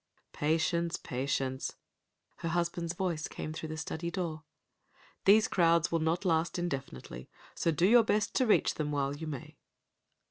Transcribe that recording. "Patience, patience," her husband's voice came through the study door. "These crowds will not last indefinitely, so do your best to reach them while you may."